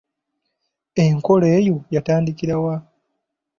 Enkola eyo yatandikira wa?